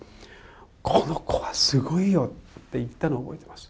この子はすごいよって言ったのを覚えてます。